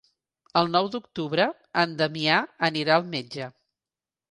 El nou d'octubre en Damià anirà al metge.